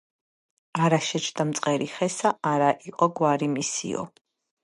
არა შეჯდა მწყერი ხესა, არა იყო გვარი მისიო.